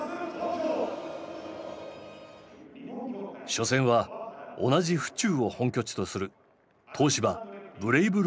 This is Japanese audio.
初戦は同じ府中を本拠地とする東芝ブレイブルーパス東京。